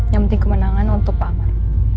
yang penting kemenangan untuk pak amar